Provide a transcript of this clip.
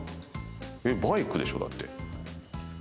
バイクでしょ？だって。